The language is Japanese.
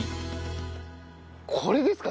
これですか？